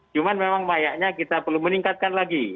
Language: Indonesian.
cuma memang mayanya kita perlu meningkatkan lagi